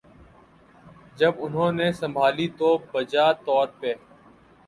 جب انہوں نے سنبھالی تو بجا طور پہ